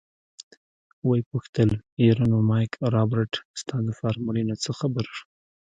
ويې پوښتل يره نو مايک رابرټ ستا د فارمولې نه څه خبر شو.